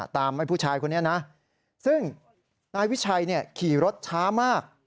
ผู้ชายคนนี้นะซึ่งนายวิชัยขี่รถช้ามาก